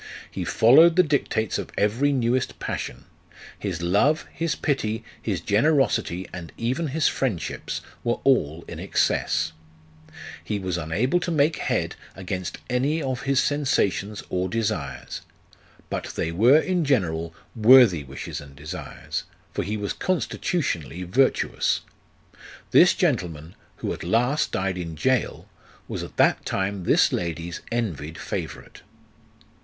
He followed the dictates of every newest passion ; his love, his pity, his generosity, and even his friendships were all in excess ; he was unable to make head against any of his sensations or desires, but they were in general worthy wishes and desires, for he was constitutionally virtuous. This gentleman, who at last died in gaol, was at that time this lady's envied favourite.